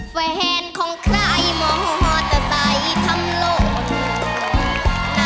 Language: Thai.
แฟนของใครมองมอเตอร์ไซค์ทำหล่น